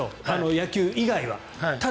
野球以外は。